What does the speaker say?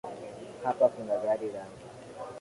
Hapa kuna gari langu